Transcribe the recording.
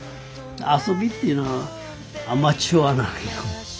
遊びっていうのはアマチュアなんよ。